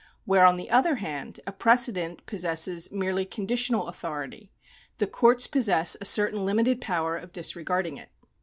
Where, on the other hand, a pre cedent possesses merely conditional authority, the courts possess a certain limited power of disregarding it.